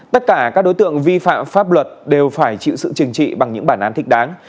tất cả các đối tượng vi phạm pháp luật đều phải chịu sự chừng trị bằng những bản án thích đáng